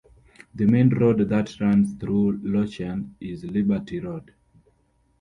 The main road that runs through Lochearn is Liberty Road.